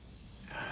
ああ。